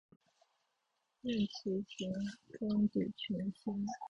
愿此行，终抵群星。